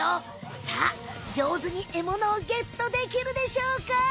さあじょうずにエモノをゲットできるでしょうか？